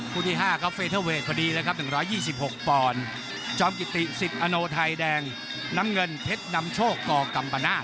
คู่ที่ห้าก็เฟสเทอร์เวทพอดีเลยครับหนึ่งร้อยยี่สิบหกปอนจอมกิติสิบอโนไทยแดงน้ำเงินเทศนำโชคกรกรรมนาฏ